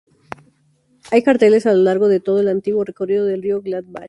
Hay carteles a lo largo de todo el antiguo recorrido del río Gladbach.